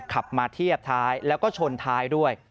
ขับมาเทียบท้ายแล้วก็ชนท้ายด้วย